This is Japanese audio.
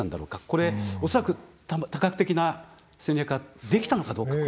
これ、恐らく多角的な戦略ができたのかどうか。